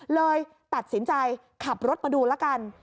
เลยตัดสินใจขับรถมาดูแล้วกัน